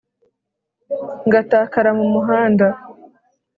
ngatakara mu muhanda